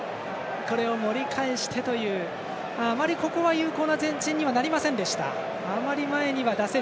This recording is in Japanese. あまりここは有効な前進になりませんでした。